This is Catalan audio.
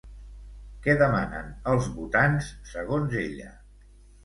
Què demanen els votants, segons ella?